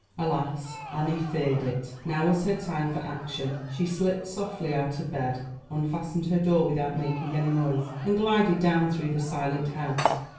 Alas! Annie feared it. Now was her time for action. She slipped softly out of bed, unfastened her door without making any noise, and glided down through the silent house.